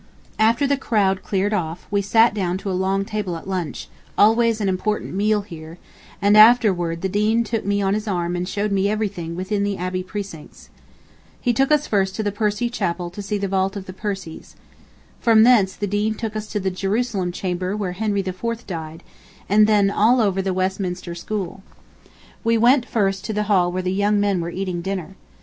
After the crowd cleared off, we sat down to a long table at lunch, always an important meal here, and afterward the Dean took me on his arm and showed me everything within the Abbey precincts. He took us first to the Percy Chapel to see the vault of the Percys. ... From thence the Dean took us to the Jerusalem chamber where Henry IV died, then all over the Westminster school. We first went to the hall where the young men were eating their dinner.